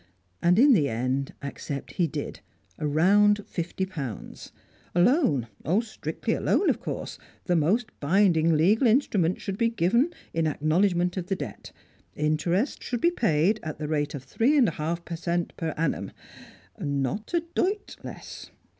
And in the end accept he did a round fifty pounds. A loan, strictly a loan, of course, the most binding legal instrument should be given in acknowledgment of the debt; interest should be paid at the rate of three and a half per cent. per annum not a doit less!